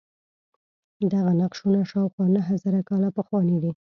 دغه نقشونه شاوخوا نهه زره کاله پخواني دي.